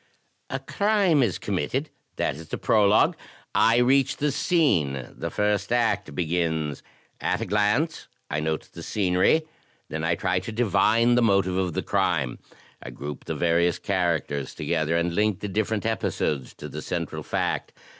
A crime is committed — that is the prologue; I reach the scene; the first act begins. At a glance I note the scenery. Then I try to divine the motive of the crime; I group the various characters together, and link the different episodes to the central fact.